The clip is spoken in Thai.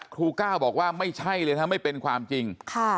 ก้าวบอกว่าไม่ใช่เลยนะไม่เป็นความจริง